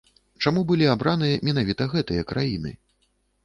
Чаму былі абраныя менавіта гэтыя краіны?